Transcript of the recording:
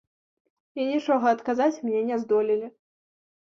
І нічога адказаць мне не здолелі.